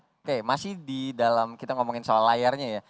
oke masih di dalam kita ngomongin soal layarnya ya